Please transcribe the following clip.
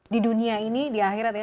di dunia ini di akhirat ya